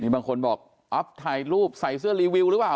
บางคนบอกอัพถ่ายรูปใส่เสื้อรีวิวหรือเปล่า